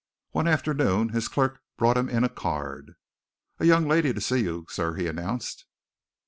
One afternoon his clerk brought him in a card. "A young lady to see you, sir!" he announced.